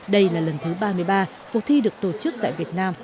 đây là lần thứ ba mươi ba cuộc thi được tổ chức tại việt nam